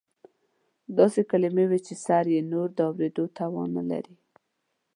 ډېر داسې کلیمې وې چې سړی یې نور د اورېدو توان نه لري.